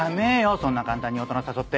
そんな簡単に大人誘って。